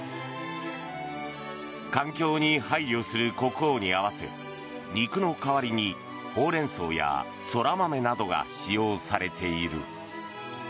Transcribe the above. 環境に配慮する国王に合わせ肉の代わりにホウレンソウやソラマメなどが使用されている。